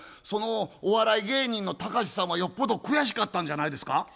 そのお笑い芸人のタカシさんはよっぽど悔しかったんじゃないですか？